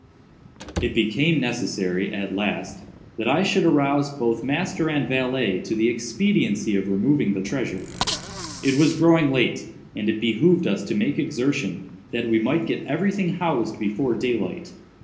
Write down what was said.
It became necessary, at last, that I should arouse both master and valet to the expediency of removing the treasure. It was growing late, and it behooved us to make exertion, that we might get every thing housed before daylight.